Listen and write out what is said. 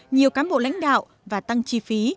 nhiều cán bộ lãnh đạo và tăng chi phí